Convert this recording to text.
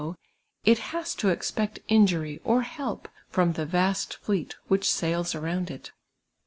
^ it has to expect ijijury or help from the vast fleet which sails mound it.